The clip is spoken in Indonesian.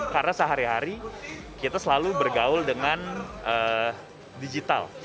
karena sehari hari kita selalu bergaul dengan digital